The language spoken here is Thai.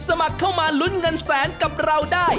สมัครเข้ามาลุ้นเงินแสนกับเราได้